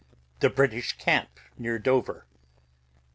The British camp, near Dover.